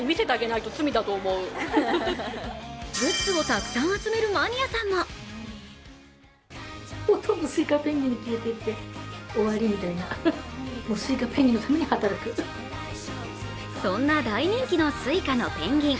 グッズをたくさん集めるマニアさんもそんな大人気のＳｕｉｃａのペンギン。